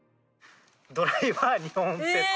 ドライバー２本セット。